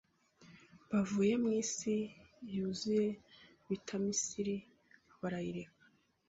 Bavuye mwisi yuzuye Bita Misiri barayireka